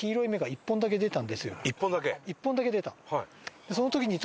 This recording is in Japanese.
１本だけ出た。